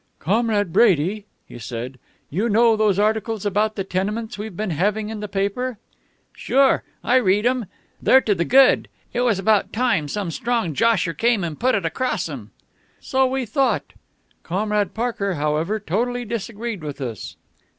"Comrade Brady," he said, "you know those articles about the tenements we've been having in the paper?" "Sure. I read 'em. They're to the good. It was about time some strong josher came and put it across 'em." "So we thought. Comrade Parker, however, totally disagreed with us."